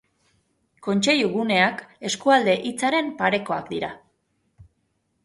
Kontseilu guneak eskualde hitzaren parekoak dira.